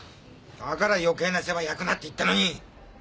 だから余計な世話焼くなって言ったのに！